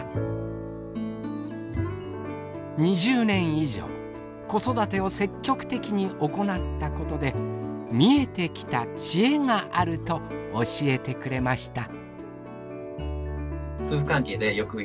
２０年以上子育てを積極的に行ったことで見えてきたチエがあると教えてくれました。